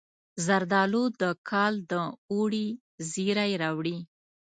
زردالو د کال د اوړي زیری راوړي.